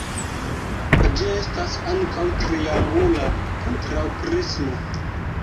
Ĝi estas ankaŭ triangula kontraŭprismo.